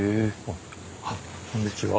あっこんにちは。